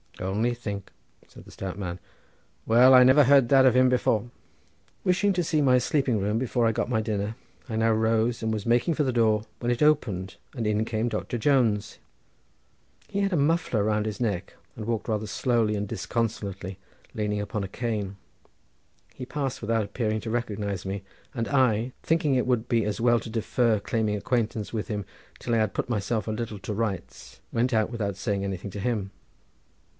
"Only think," said the stout man. "Well, I never heard that of him before." Wishing to see my sleeping room before I got my dinner, I now rose and was making for the door, when it opened, and in came Doctor Jones. He had a muffler round his neck, and walked rather slowly and disconsolately, leaning upon a cane. He passed without appearing to recognise me, and I, thinking it would be as well to defer claiming acquaintance with him till I had put myself a little to rights, went out without saying anything to him.